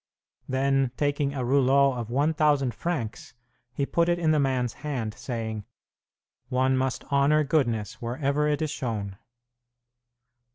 Then, taking a rouleau of 1,000 francs, he put it in the man's hand, saying, "One must honor goodness wherever it is shown."